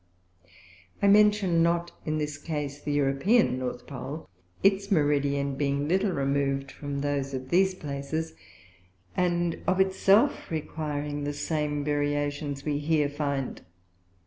I mention not in this Case the European North Pole, its Meridian being little remov'd from those of these places; and of it self requiring the same Variations we here find.